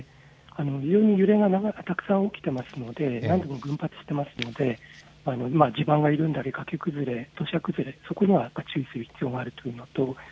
揺れが長くたくさん起きていますので、群発していますので、地盤が緩んだり崖崩れ、土砂崩れ、そういったことには注意する必要がある。